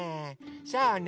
そうねえ。